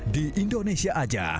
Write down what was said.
di indonesia aja